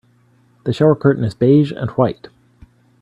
The shower curtain is beige and white.